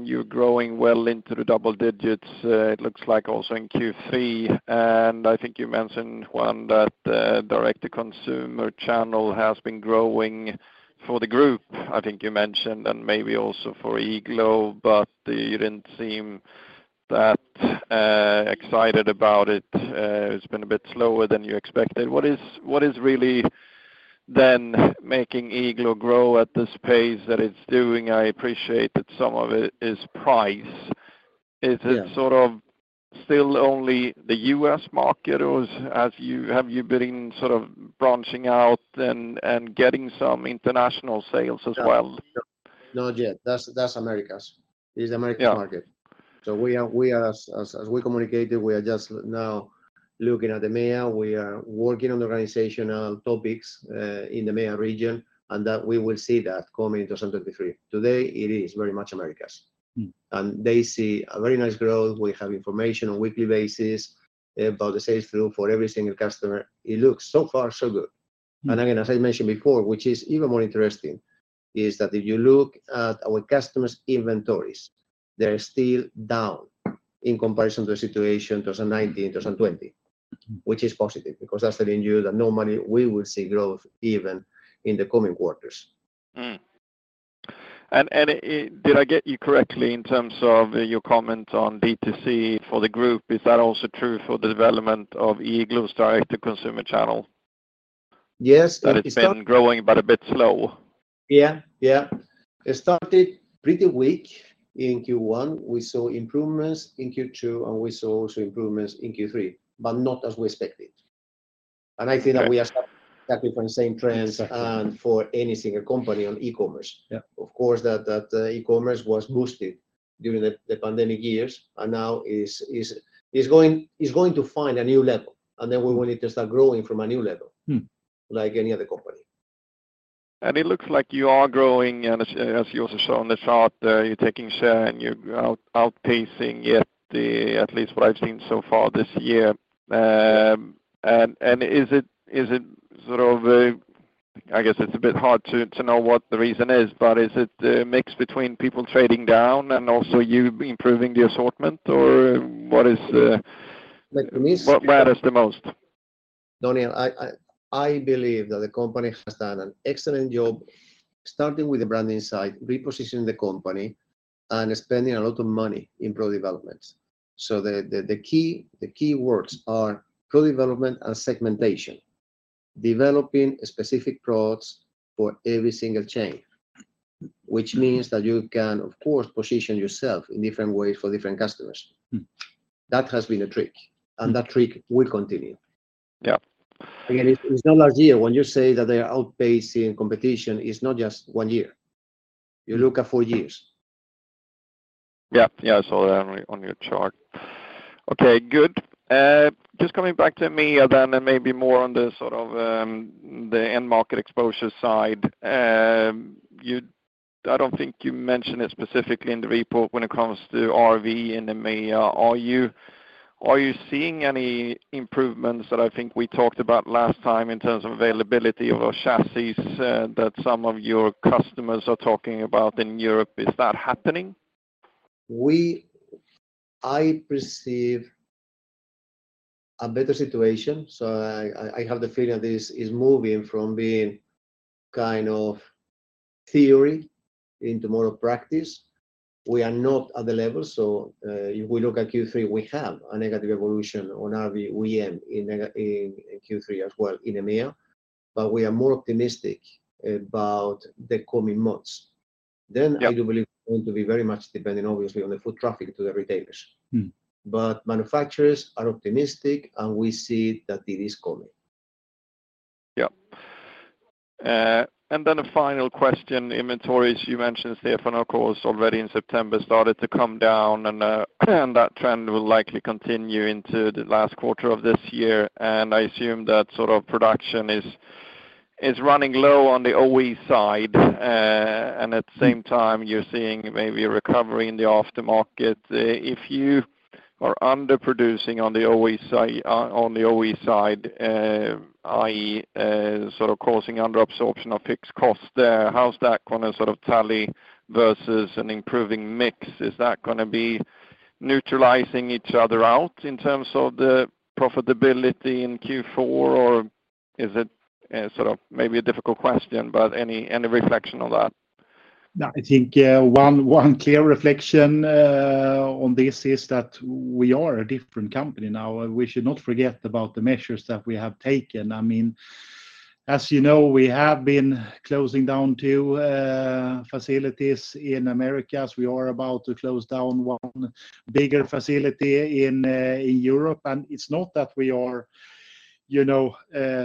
you're growing well into the double digits, it looks like also in Q3. I think you mentioned, Juan, that direct-to-consumer channel has been growing for the group, I think you mentioned, and maybe also for Igloo, but you didn't seem that excited about it. It's been a bit slower than you expected. What is really then making Igloo grow at this pace that it's doing? I appreciate that some of it is price. Yeah. Is it sort of still only the U.S market, or have you been sort of branching out and getting some international sales as well? Not yet. That's Americas. It is the Americas market. Yeah. We are, as we communicated, we are just now looking at the EMEA. We are working on organizational topics in the EMEA region, and that we will see that coming 2023. Today, it is very much Americas. Mm. They see a very nice growth. We have information on weekly basis about the sales flow for every single customer. It looks so far so good. Mm. Again, as I mentioned before, which is even more interesting, is that if you look at our customers' inventories, they're still down in comparison to the situation 2019, 2020. Mm. Which is positive because that's telling you that normally we will see growth even in the coming quarters. Did I get you correctly in terms of your comment on D2C for the group? Is that also true for the development of Igloo's direct-to-consumer channel? Yes It's been growing, but a bit slow. Yeah. It started pretty weak in Q1. We saw improvements in Q2, and we saw also improvements in Q3, but not as we expected. I think that we are stuck with the same trends, for any single company on e-commerce. Yeah. Of course, that e-commerce was boosted during the pandemic years and now is going to find a new level, and then we will need to start growing from a new level. Mm like any other company. It looks like you are growing, as you also show on the chart, you're taking share and you're outpacing the, at least what I've seen so far this year. Is it sort of, I guess it's a bit hard to know what the reason is, but is it a mix between people trading down and also you improving the assortment? Or what is Like for me. What matters the most? Daniel, I believe that the company has done an excellent job starting with the brand insight, repositioning the company, and spending a lot of money in product developments. The key words are product development and segmentation. Developing specific products for every single chain, which means that you can, of course, position yourself in different ways for different customers. Mm. That has been a trick, and that trick will continue. Yeah. Again, it's not last year. When you say that they are outpacing competition, it's not just one year. You look at four years. Yeah. Yeah. I saw that on your chart. Okay, good. Just coming back to EMEA then and maybe more on the sort of the end market exposure side. I don't think you mentioned it specifically in the report when it comes to RV in EMEA. Are you seeing any improvements that I think we talked about last time in terms of availability of chassis that some of your customers are talking about in Europe? Is that happening? I perceive a better situation, so I have the feeling this is moving from being kind of theory into more of practice. We are not at the level. If we look at Q3, we have a negative evolution on RVOEM in Q3 as well in EMEA, but we are more optimistic about the coming months. Yeah. I do believe it's going to be very much dependent obviously on the foot traffic to the retailers. Mm. Manufacturers are optimistic, and we see that it is coming. Yeah. A final question. Inventories, you mentioned Stefan, of course, already in September started to come down and that trend will likely continue into the last quarter of this year. I assume that sort of production is running low on the OE side. At the same time, you're seeing maybe a recovery in the aftermarket. If you are underproducing on the OE side, i.e., sort of causing underabsorption of fixed costs there, how's that gonna sort of tally versus an improving mix? Is that gonna be neutralizing each other out in terms of the profitability in Q4? Is it sort of maybe a difficult question, but any reflection on that? No, I think one clear reflection on this is that we are a different company now. We should not forget about the measures that we have taken. I mean, as you know, we have been closing down two facilities in America, as we are about to close down one bigger facility in Europe. It's not that we are, you know,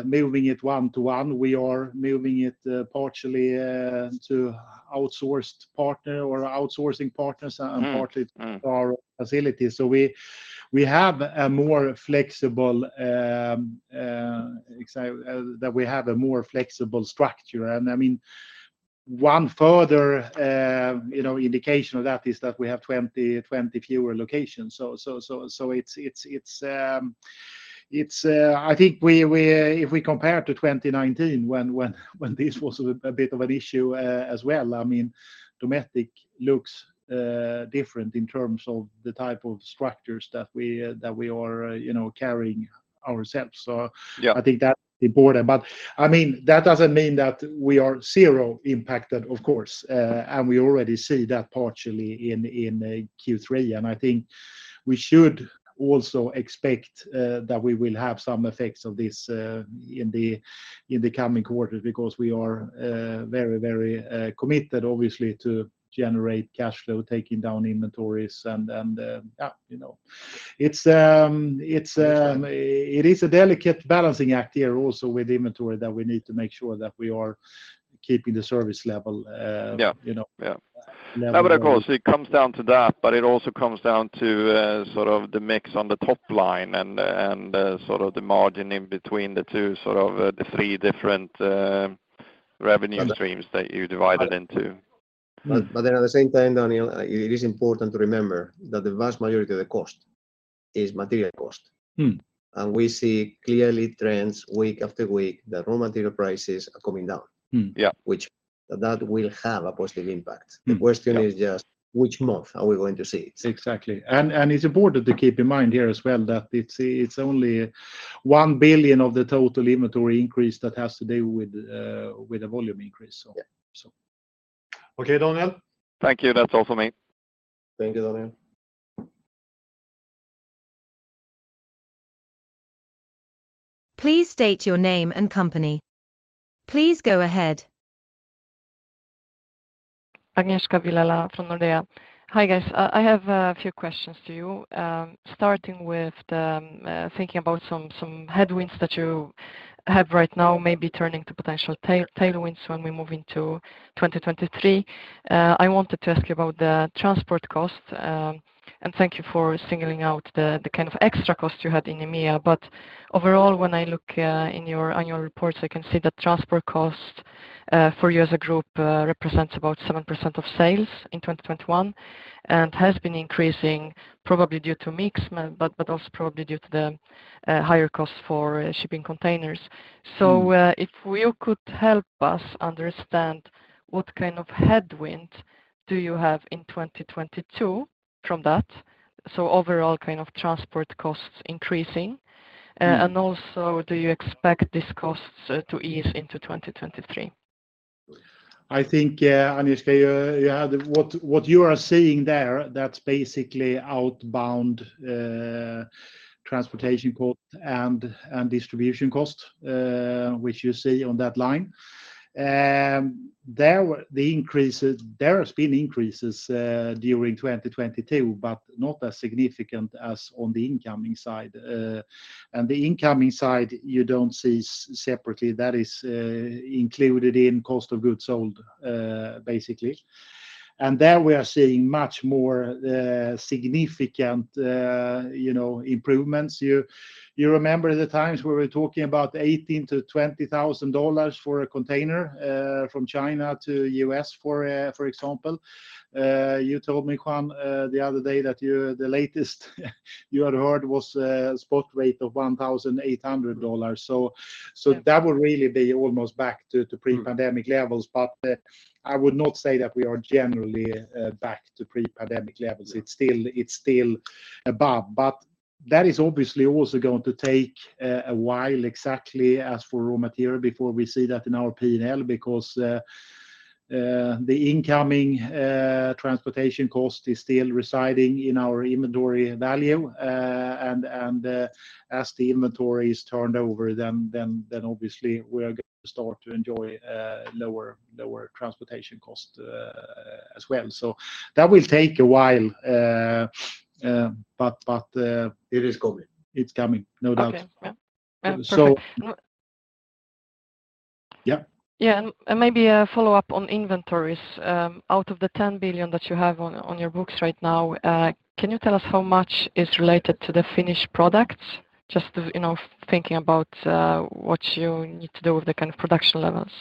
moving it one to one. We are moving it partially to outsourced partner or outsourcing partners. Mm. Mm Partly to our facilities. We have a more flexible structure. I mean, one further you know indication of that is that we have 20 fewer locations. It's, I think, if we compare to 2019 when this was a bit of an issue as well. I mean, Dometic looks different in terms of the type of structures that we are you know carrying ourselves. Yeah I think that's important. I mean, that doesn't mean that we are zero impacted, of course. We already see that partially in Q3. I think we should also expect that we will have some effects of this in the coming quarters because we are very committed obviously to generate cash flow, taking down inventories and yeah, you know. Understood... it is a delicate balancing act here also with inventory that we need to make sure that we are keeping the service level. Yeah You know? Yeah. Never- No, but of course, it comes down to that, but it also comes down to, sort of the mix on the top line and sort of the margin in between the two, sort of, the three different revenue streams that you divided into. At the same time, Daniel, it is important to remember that the vast majority of the cost is material cost. Mm. We see clearly trends week after week that raw material prices are coming down. Yeah. That will have a positive impact. Mm. The question is just which month are we going to see it? Exactly. It's important to keep in mind here as well that it's only 1 billion of the total inventory increase that has to do with the volume increase. Yeah. Okay, Daniel? Thank you. That's all for me. Thank you, Daniel. Please state your name and company. Please go ahead. Agnieszka Vilela from Nordea. Hi, guys. I have a few questions to you, starting with thinking about some headwinds that you have right now maybe turning to potential tailwinds when we move into 2023. I wanted to ask you about the transport costs, and thank you for singling out the kind of extra costs you had in EMEA. Overall, when I look in your annual reports, I can see that transport costs for you as a group represents about 7% of sales in 2021 and has been increasing probably due to mix, but also probably due to the higher costs for shipping containers. Mm. If you could help us understand what kind of headwind do you have in 2022 from that, so overall kind of transport costs increasing. Mm. Do you expect these costs to ease into 2023? I think, Agnieszka, you have. What you are seeing there, that's basically outbound transportation cost and distribution cost, which you see on that line. There were the increases. There has been increases during 2022, but not as significant as on the incoming side. The incoming side, you don't see separately. That is included in cost of goods sold, basically. There we are seeing much more significant, you know, improvements. You remember the times where we're talking about $18,000-$20,000 for a container from China to U.S. for example. You told me, Juan the other day that the latest you had heard was a spot rate of $1,800. That would really be almost back to pre-pandemic levels. I would not say that we are generally back to pre-pandemic levels. It's still above. That is obviously also going to take a while, exactly as for raw material, before we see that in our P&L because the incoming transportation cost is still residing in our inventory value. As the inventory is turned over, then obviously we are going to start to enjoy lower transportation cost as well. That will take a while. It is coming. It's coming, no doubt. Okay. Yeah. Yeah. So- So n- Yeah. Maybe a follow-up on inventories. Out of the 10 billion that you have on your books right now, can you tell us how much is related to the finished products? Just, you know, thinking about what you need to do with the kind of production levels.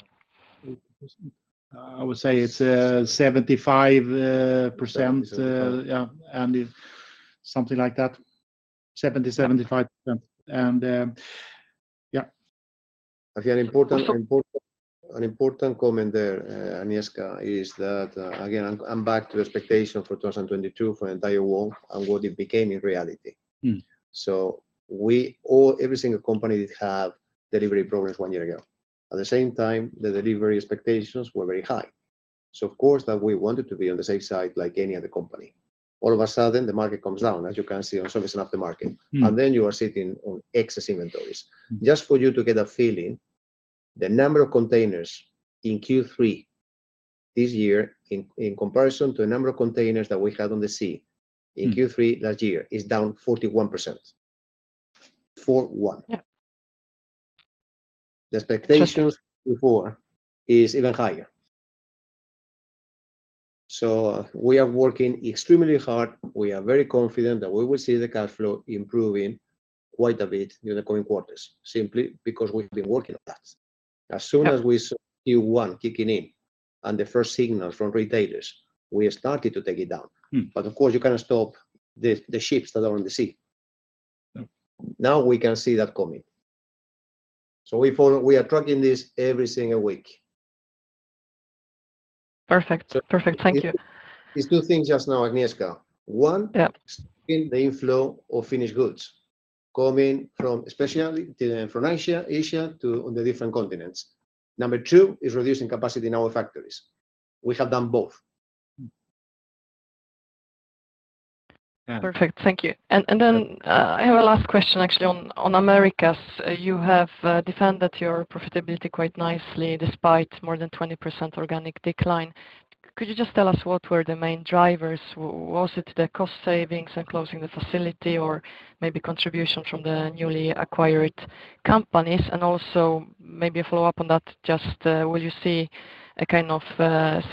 I would say it's 75%. 70%, 75%. Yeah. Something like that. 70%-75%. Yeah. Again, important. Perfect Important, an important comment there, Agnieszka, is that, again, I'm back to expectation for 2022 for the entire world and what it became in reality. Mm. We all, every single company have delivery problems one year ago. At the same time, the delivery expectations were very high. Of course that we wanted to be on the safe side like any other company. All of a sudden, the market comes down, as you can see on Service & Aftermarket. Mm. You are sitting on excess inventories. Mm. Just for you to get a feeling, the number of containers in Q3 this year, in comparison to the number of containers that we had on the sea in Q3 last year is down 41%. 41%. Yeah. The expectations. Perfect before is even higher. We are working extremely hard. We are very confident that we will see the cash flow improving quite a bit in the coming quarters, simply because we've been working on that. Yeah. As soon as we see Q1 kicking in and the first signals from retailers, we have started to take it down. Mm. Of course, you cannot stop the ships that are on the sea. No. Now we can see that coming. We are tracking this every single week. Perfect. So- Perfect. Thank you. These two things just now, Agnieszka. Yeah the inflow of finished goods coming from, especially from Asia to the different continents. Number two is reducing capacity in our factories. We have done both. Yeah. Perfect. Thank you. I have a last question actually on Americas. You have defended your profitability quite nicely despite more than 20% organic decline. Could you just tell us what were the main drivers? Was it the cost savings and closing the facility or maybe contribution from the newly acquired companies? Also maybe a follow-up on that, just, will you see a kind of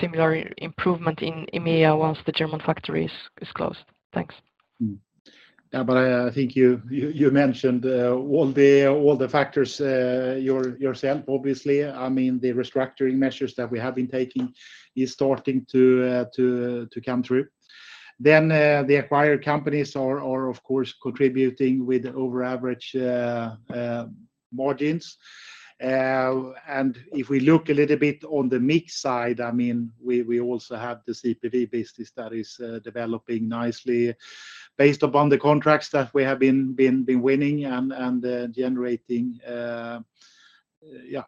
similar improvement in EMEA once the German factory is closed? Thanks. Yeah, but I think you mentioned all the factors yourself, obviously. I mean, the restructuring measures that we have been taking is starting to come through. The acquired companies are of course contributing with above average margins. If we look a little bit on the mix side, I mean, we also have the CPV business that is developing nicely based upon the contracts that we have been winning and generating. Yeah,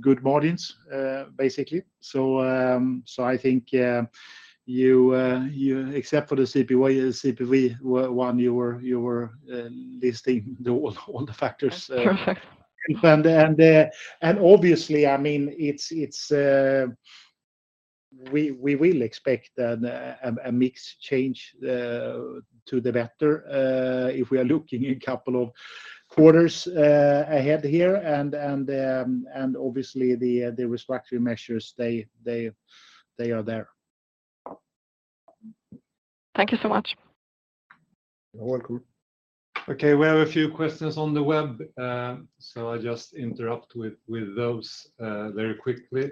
good margins, basically. I think you... Except for the CPV one you were listing all the factors. Perfect Obviously, I mean, we will expect a mixed change to the better if we are looking a couple of quarters ahead here and obviously the restructuring measures they are there. Thank you so much. You're welcome. Okay, we have a few questions on the web, so I'll just interrupt with those very quickly.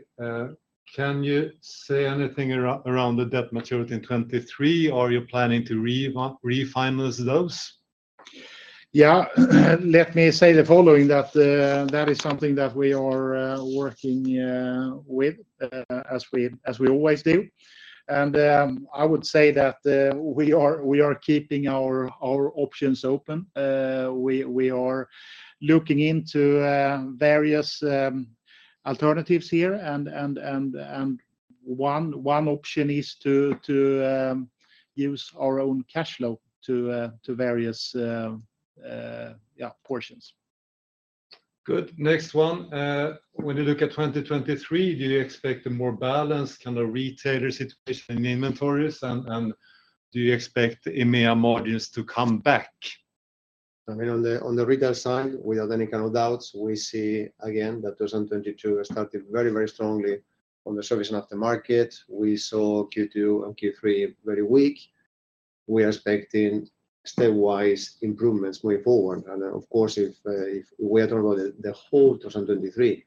Can you say anything around the debt maturity in 2023? Are you planning to refinance those? Yeah. Let me say the following, that is something that we are working with as we always do. I would say that we are keeping our options open. We are looking into various alternatives here and one option is to use our own cash flow to various portions. Good. Next one. When you look at 2023, do you expect a more balanced kind of retailer situation in inventories and do you expect EMEA margins to come back? I mean, on the retail side, without any kind of doubts, we see again that 2022 has started very, very strongly on the Service & Aftermarket. We saw Q2 and Q3 very weak. We are expecting stepwise improvements moving forward. Of course, if we are talking about the whole 2023,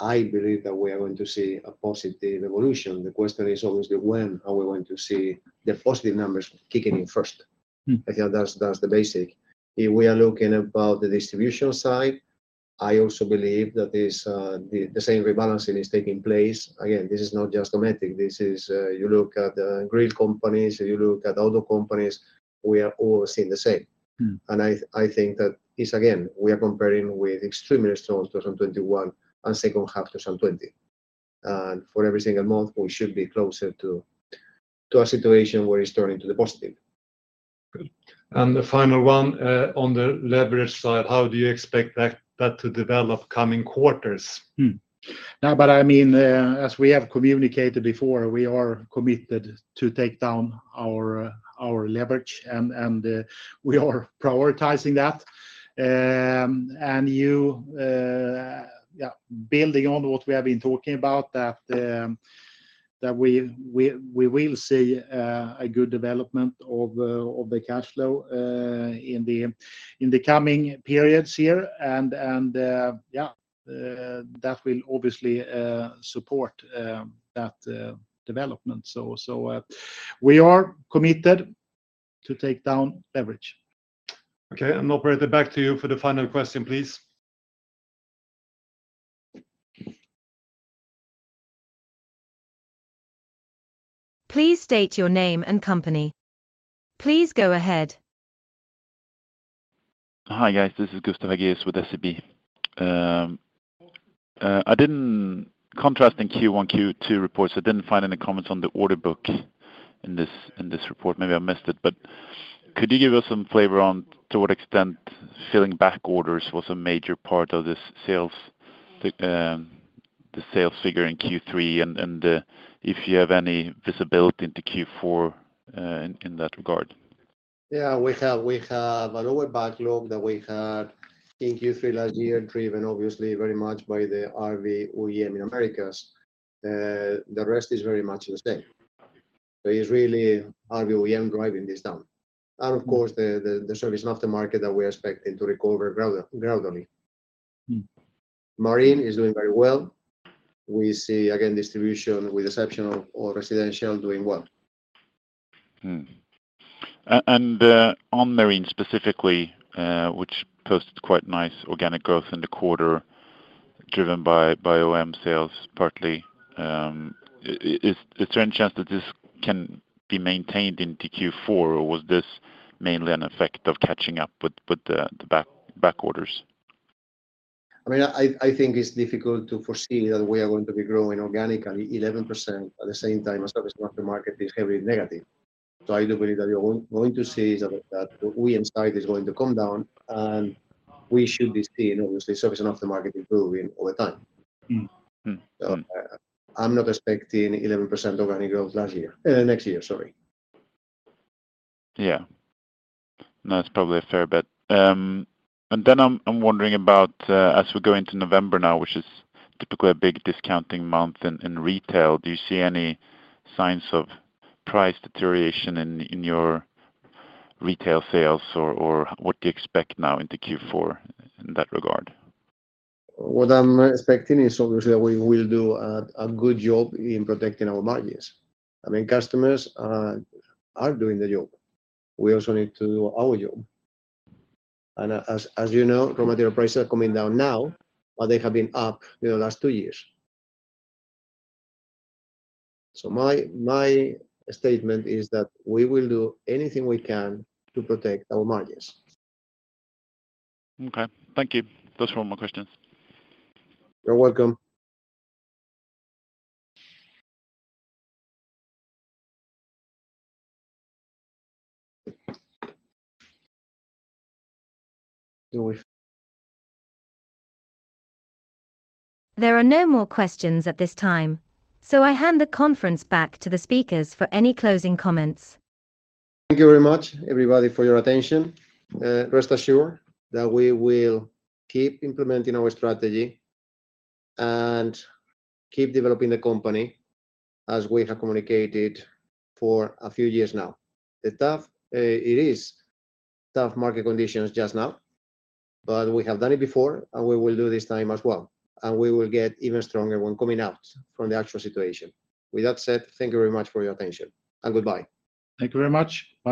I believe that we are going to see a positive evolution. The question is obviously when are we going to see the positive numbers kicking in first? Mm. I think that's the basic. If we are looking about the distribution side, I also believe that this, the same rebalancing is taking place. Again, this is not just Dometic. This is, you look at the grid companies, you look at other companies, we are all seeing the same. Mm. I think that it's again, we are comparing with extremely strong 2021 and second half 2020. For every single month, we should be closer to a situation where it's turning to the positive. Good. The final one, on the leverage side, how do you expect that to develop coming quarters? No, I mean, as we have communicated before, we are committed to take down our leverage and we are prioritizing that. Building on what we have been talking about, that we will see a good development of the cash flow in the coming periods here and that will obviously support that development. We are committed to take down leverage. Okay. Operator, back to you for the final question, please. Please state your name and company. Please go ahead. Hi, guys, this is Gustav Hagéus with SEB. Contrasting Q1, Q2 reports, I didn't find any comments on the order book in this report. Maybe I missed it. Could you give us some flavor on to what extent filling back orders was a major part of the sales figure in Q3 and if you have any visibility into Q4 in that regard? Yeah. We have a lower backlog than we had in Q3 last year, driven obviously very much by the RVOEM in Americas. The rest is very much the same. It's really RVOEM driving this down. Of course, the Service & Aftermarket that we're expecting to recover gradually. Mm. Marine is doing very well. We see a gain, distribution with exception of residential doing well. On Marine specifically, which posted quite nice organic growth in the quarter, driven by OEM sales partly, is there any chance that this can be maintained into Q4, or was this mainly an effect of catching up with the back orders? I mean, I think it's difficult to foresee that we are going to be growing organically 11% at the same time as Service & Aftermarket is heavily negative. I do believe that you're going to see that the OEM side is going to come down, and we should be seeing obviously Service & Aftermarket improving over time. Okay. I'm not expecting 11% organic growth last year. Next year, sorry. Yeah. No, it's probably a fair bet. I'm wondering about as we go into November now, which is typically a big discounting month in retail, do you see any signs of price deterioration in your retail sales or what do you expect now into Q4 in that regard? What I'm expecting is obviously that we will do a good job in protecting our margins. I mean, customers are doing their job. We also need to do our job. As you know, commodity prices are coming down now, but they have been up the last two years. My statement is that we will do anything we can to protect our margins. Okay. Thank you. Those were all my questions. You're welcome. There are no more questions at this time, so I hand the conference back to the speakers for any closing comments. Thank you very much, everybody, for your attention. Rest assured that we will keep implementing our strategy and keep developing the company as we have communicated for a few years now. It is tough market conditions just now, but we have done it before, and we will do it this time as well, and we will get even stronger when coming out from the actual situation. With that said, thank you very much for your attention, and goodbye. Thank you very much. Bye.